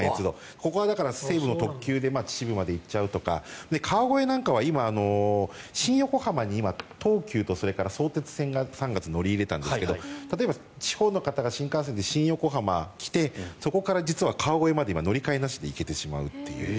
ここは西武の特急で秩父まで行っちゃうとか川越なんかは今、新横浜に今、東急とそれから相鉄線が３月に乗り入れたんですけど例えば地方の方が新幹線で新横浜に来てそこから実は川越まで乗り換えなしで行けてしまうという。